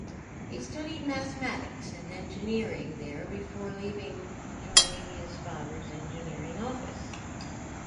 He studied mathematics and engineering there before leaving joining his father's engineering office.